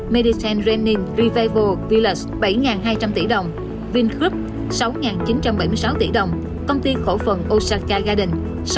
mediten rennin revival village bảy hai trăm linh tỷ đồng vingroup sáu chín trăm bảy mươi sáu tỷ đồng công ty khổ phần osaka garden